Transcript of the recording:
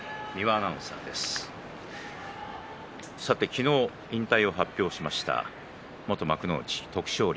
昨日、引退を発表した元幕内徳勝龍。